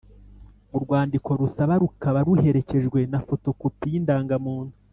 Urwandiko rusaba rukaba ruherekejwe na fotokopi y’indangamuntu